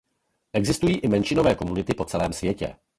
Existují i menšinové komunity po celém světě.